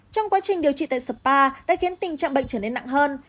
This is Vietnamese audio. trong quá trình điều trị tại spa đã khiến tình trạng bệnh trở nên nặng hơn